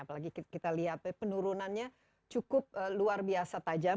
apalagi kita lihat penurunannya cukup luar biasa tajam